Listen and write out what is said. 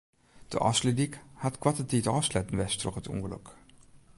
De Ofslútdyk hat koarte tiid ôfsletten west troch it ûngelok.